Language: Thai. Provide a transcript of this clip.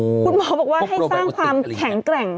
คุณหมอบอกว่าให้สร้างความแข็งแกร่ง